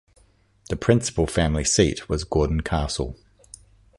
The principal family seat was Gordon Castle.